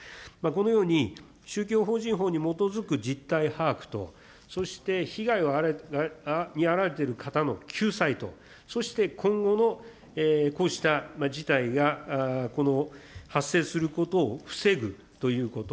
このように宗教法人法に基づく実態把握と、そして被害に遭われている方の救済と、そして、今後のこうした事態が、この発生することを防ぐということ。